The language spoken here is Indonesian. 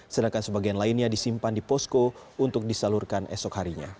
sedangkan sebagian lainnya disimpan di posko untuk disalurkan esok harinya